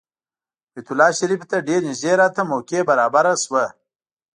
بیت الله شریفې ته ډېر نږدې راته موقع برابره شوه.